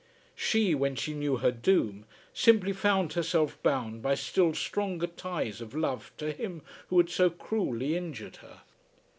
She, when she knew her doom, simply found herself bound by still stronger ties of love to him who had so cruelly injured her.